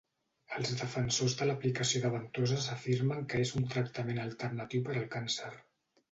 Els defensors de l'aplicació de ventoses afirmen que és un tractament alternatiu per al càncer.